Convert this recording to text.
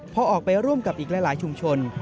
พอออกไปร่วมกับอีกหลายชุมชน